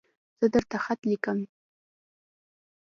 زه درته خط لیکم